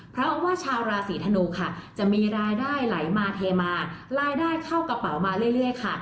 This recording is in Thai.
เพราะว่าชาวราศีธนูค่ะจะมีรายได้ไหลมาเทมารายได้เข้ากระเป๋ามาเรื่อยค่ะ